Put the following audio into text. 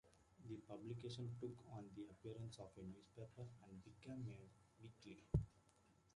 The publication took on the appearance of a newspaper and became a weekly.